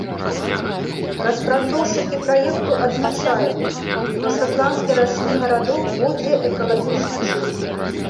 Распрацоўшчыкі праекту адзначаюць, што шатландскі рачны гарадок будзе экалагічна чыстым.